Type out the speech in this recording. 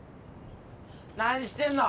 何してんの？